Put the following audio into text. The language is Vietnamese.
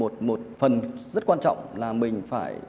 điều rất quan trọng là mình phải